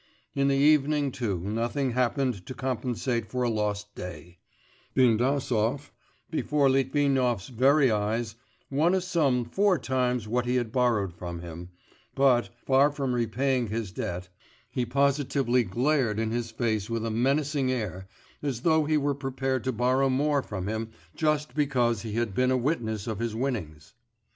In the evening, too, nothing happened to compensate for a lost day; Bindasov, before Litvinov's very eyes, won a sum four times what he had borrowed from him, but, far from repaying his debt, he positively glared in his face with a menacing air, as though he were prepared to borrow more from him just because he had been a witness of his winnings.